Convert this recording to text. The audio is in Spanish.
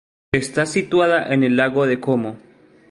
Está situada en el Lago de Como.